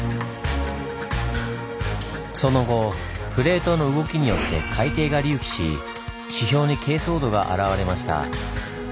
その後プレートの動きによって海底が隆起し地表に珪藻土が現れました。